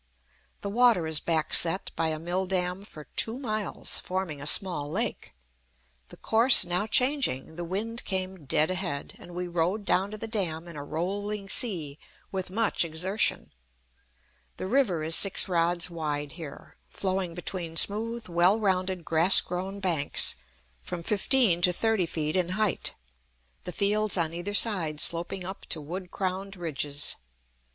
The water is backset by a mill dam for two miles, forming a small lake. The course now changing, the wind came dead ahead, and we rowed down to the dam in a rolling sea, with much exertion. The river is six rods wide here, flowing between smooth, well rounded, grass grown banks, from fifteen to thirty feet in height, the fields on either side sloping up to wood crowned ridges.